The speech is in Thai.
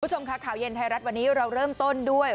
คุณผู้ชมค่ะข่าวเย็นไทยรัฐวันนี้เราเริ่มต้นด้วย